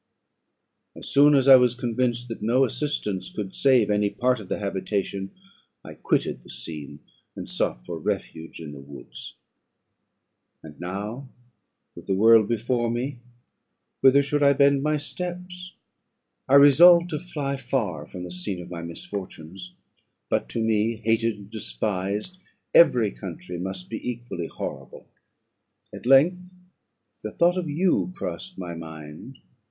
"As soon as I was convinced that no assistance could save any part of the habitation, I quitted the scene, and sought for refuge in the woods. "And now, with the world before me, whither should I bend my steps? I resolved to fly far from the scene of my misfortunes; but to me, hated and despised, every country must be equally horrible. At length the thought of you crossed my mind.